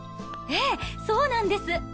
ええそうなんです。